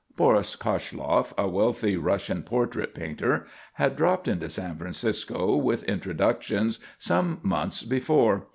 Boris Koshloff, a wealthy Russian portrait painter, had dropped into San Francisco with introductions, some months before.